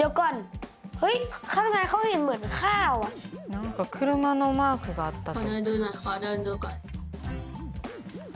何か車のマークがあったぞ。